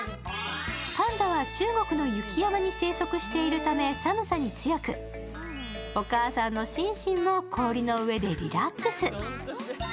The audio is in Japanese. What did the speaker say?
パンダは中国の雪山に生息しているため寒さに強く、お母さんのシンシンも氷の上でリラックス。